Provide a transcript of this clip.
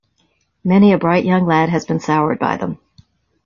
Many a bright young lad has been soured by them.